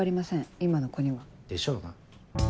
今の子には。でしょうな。